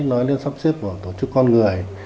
nói đến sắp xếp tổ chức con người